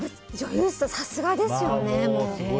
さすがですよね。